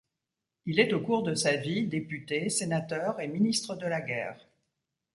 Il est au cours de sa vie député, sénateur et ministre de la Guerre.